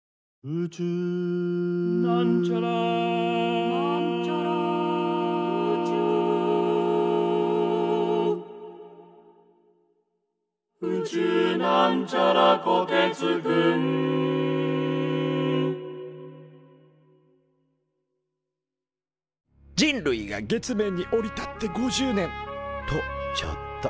「宇宙」人類が月面に降り立って５０年！とちょっと。